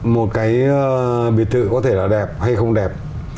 một cái biệt thự có thể là đẹp hay không đẹp